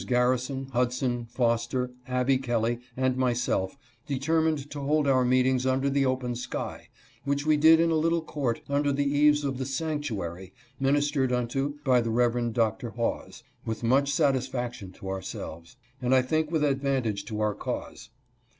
Garrison, Hudson, Foster, Abby Kelley and myself determined to hold our meetings under the open sky, which we did in a little court under the eaves of the " sanctuary " ministered unto by the Rev. Dr. Hawes, with much satisfaction to ourselves, and I think with advantage to our cause.